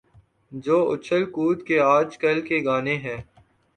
جو اچھل کود کے آج کل کے گانے ہیں۔